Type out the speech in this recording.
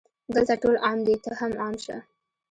دلته ټول عام دي ته هم عام شه